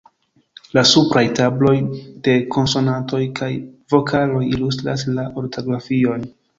La supraj tabloj de konsonantoj kaj vokaloj ilustras la ortografion.